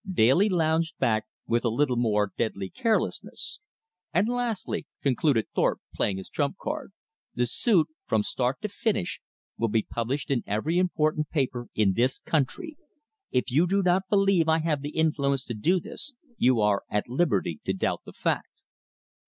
Daly lounged back with a little more deadly carelessness. "And, lastly," concluded Thorpe, playing his trump card, "the suit from start to finish will be published in every important paper in this country. If you do not believe I have the influence to do this, you are at liberty to doubt the fact."